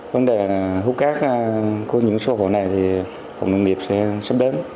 vấn đề hút cát của những số hộ này thì phòng nông nghiệp sẽ sắp đến